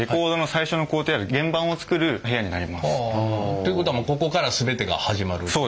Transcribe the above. ということはもうここから全てが始まるっていう？